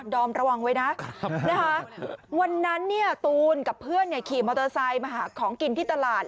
อมระวังไว้นะวันนั้นเนี่ยตูนกับเพื่อนขี่มอเตอร์ไซค์มาหาของกินที่ตลาด